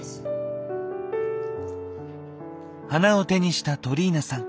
花を手にしたトリーナさん。